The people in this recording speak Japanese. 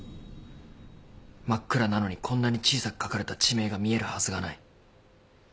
真っ暗なのにこんなに小さく書かれた地名が見えるはずがない。